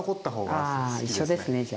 ああ一緒ですねじゃ。